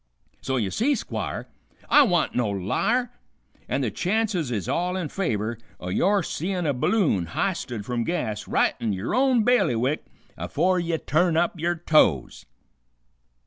So ye see, Squire, I wa'n't no liar, an' the chances is all in favor o' your seein' a balloon h'isted from gas right in yer own bailiwick afore ye turn up yer toes."